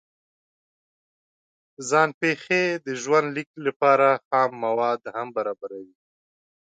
ځان پېښې د ژوند لیک لپاره خام مواد هم برابروي.